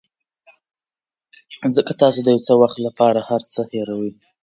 ځکه تاسو د یو څه وخت لپاره هر څه هیروئ.